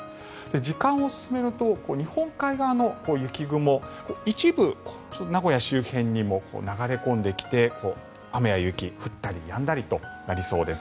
時間を進めると日本海側の雪雲一部、名古屋周辺にも流れ込んできて雨や雪、降ったりやんだりとなりそうです。